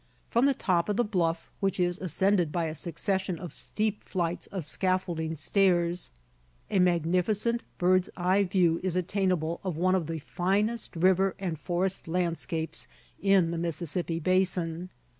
From the top of the bluff, which is ascended by a succession of steep flights of scaffolding stairs, a magnificent bird's eye view is attainable of one of the finest river and forest landscapes in the Mississippi basin.